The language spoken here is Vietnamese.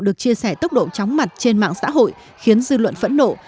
được chia sẻ tốc độ chóng mặt trên mạng xã hội khiến dư luận phẫn nộ